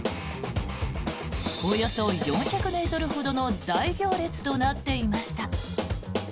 およそ４００ｍほどの大行列となっていました。